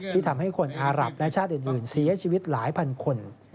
ทำให้คนอารับและชาติอื่นเสียชีวิตหลายพันคน